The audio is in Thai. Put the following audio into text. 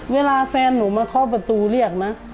เวลาแฟนหนูมาเคาะประตูเรียกนะ